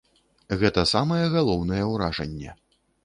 Гэта самае галоўнае ўражанне.